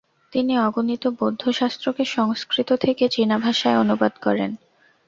তিনি অগণিত বৌদ্ধ শাস্ত্রকে সংস্কৃত থেকে চীনাভাষায় অনুবাদ করেন।